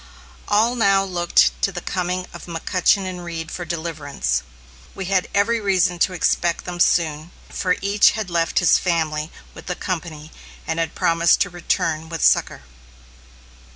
All now looked to the coming of McCutchen and Reed for deliverance. We had every reason to expect them soon, for each had left his family with the company, and had promised to return with succor.